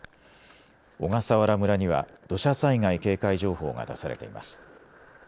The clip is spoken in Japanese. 小笠原村には土砂災害警戒情報が出されています。